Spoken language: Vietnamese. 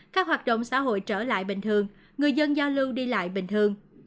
các hoạt động xã hội trở lại bình thường người dân giao lưu đi lại bình thường